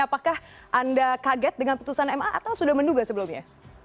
apakah anda kaget dengan putusan ma atau sudah menduga sebelumnya